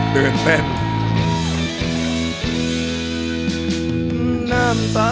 ขอบคุณมาก